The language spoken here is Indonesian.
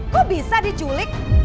kok bisa diculik